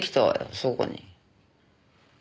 そこに。